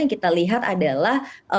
yang kita lihat adalah